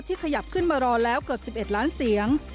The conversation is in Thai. ขยับขึ้นมารอแล้วเกือบ๑๑ล้านเสียง